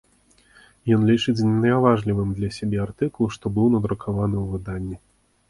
Ён лічыць зняважлівым для сабе артыкул, што быў надрукаваны ў выданні.